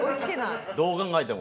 どう考えても。